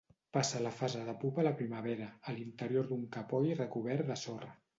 Passa la fase de pupa a la primavera, a l'interior d'un capoll recobert de sorra.